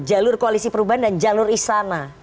jalur koalisi perubahan dan jalur istana